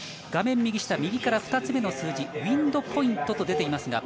画面右下、右から２つ目の数字、ウインドポイントと出ています。